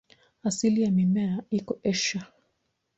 Asili ya mimea iko Asia.